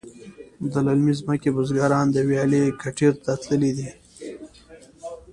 د للمې ځمکې بزگران د ویالې کټیر ته تللي دي.